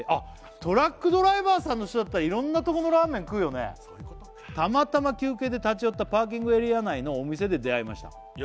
ドライバーさんの人だったらいろんなところのラーメン食うよね「たまたま休憩で立ち寄ったパーキングエリア内のお店で出会いました」